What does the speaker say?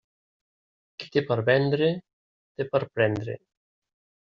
Qui té per vendre, té per prendre.